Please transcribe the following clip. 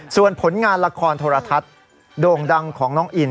ส่วนผลงานละครโทรทัศน์โด่งดังของน้องอิน